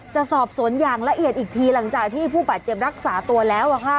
จะสอบสวนอย่างละเอียดอีกทีหลังจากที่ผู้บาดเจ็บรักษาตัวแล้ว